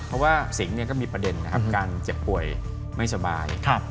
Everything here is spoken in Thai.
เพราะว่าสิงข์มีประเด็นการเจ็บป่วยไม่สบาย